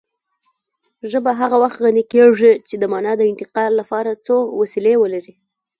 ژبه هغه وخت غني کېږي چې د مانا د انتقال لپاره څو وسیلې ولري